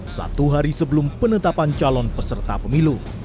satu hari sebelum penetapan calon peserta pemilu